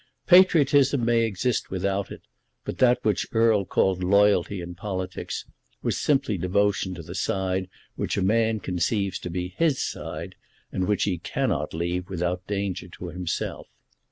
Patriotism may exist without it, but that which Erle called loyalty in politics was simply devotion to the side which a man conceives to be his side, and which he cannot leave without danger to himself.